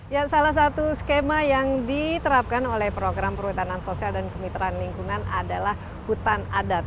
ya salah satu skema yang diterapkan oleh program perhutanan sosial dan kemitraan lingkungan adalah hutan adat